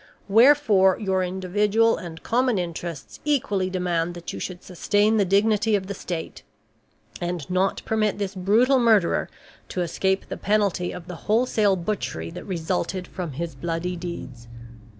Wherefore, your individual and common interests equally demand that you should sustain the dignity of the State, and not permit this brutal murderer to escape the penalty of the wholesale butchery that resulted from his bloody deeds.